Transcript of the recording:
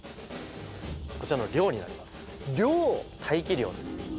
こちらの寮になります。